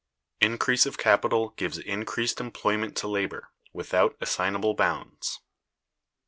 Increase of Capital gives Increased Employment to Labor, Without Assignable Bounds.